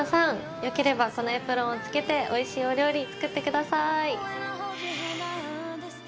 よければこのエプロンを着けておいしいお料理作ってください。